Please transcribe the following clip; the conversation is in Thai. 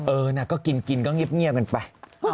เออนาก็กินกินก็เงียบเงียบกันไป